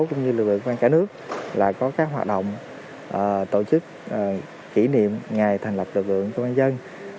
cũng như lực lượng công an cả nước là có các hoạt động tổ chức kỷ niệm ngày thành lập lực lượng công an dân